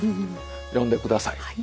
読んでください。